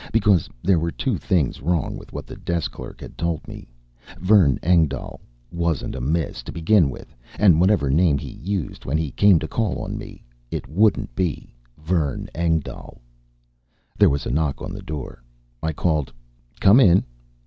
Because there were two things wrong with what the desk clerk had told me. Vern Engdahl wasn't a "miss," to begin with; and whatever name he used when he came to call on me, it wouldn't be Vern Engdahl. There was a knock on the door. I called: "Come in!"